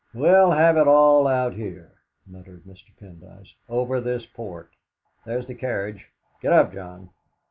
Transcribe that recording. "We'll have it all out here," muttered Mr. Pendyce, "over this port. There's the carriage. Get up, John."